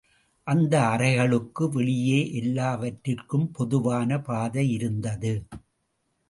அந்த அறைகளுக்கு வெளியே எல்லாவற்றிற்கும் பொதுவான பாதையிருந்தது.